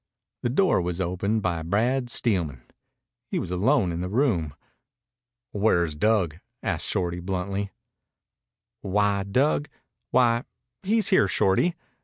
The door was opened by Brad Steelman. He was alone in the room. "Where's Dug?" asked Shorty bluntly. "Why, Dug why, he's here, Shorty.